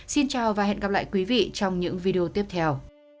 xin chào và hẹn gặp lại quý vị trong những video tiếp theo